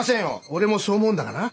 俺もそう思うんだがな。